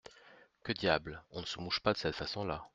Que diable ! on ne se mouche pas de cette façon-là !